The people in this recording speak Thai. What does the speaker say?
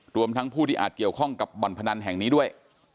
รวมทั้งผู้ที่อาจเกี่ยวข้องกับบ่อนพนันแห่งนี้ด้วย